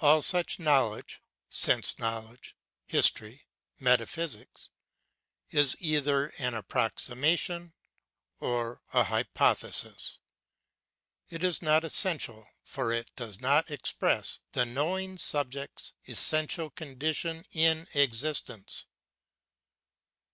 All such knowledge (sense knowledge, history, metaphysics) is either an approximation or a hypothesis. It is not essential, for it does not express the knowing subject's essential condition in existence.